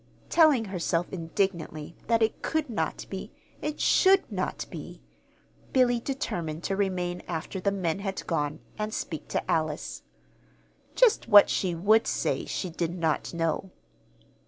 Telling herself indignantly that it could not be, it should not be, Billy determined to remain after the men had gone, and speak to Alice. Just what she would say she did not know.